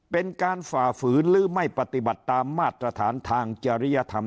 ฝ่าฝืนหรือไม่ปฏิบัติตามมาตรฐานทางจริยธรรม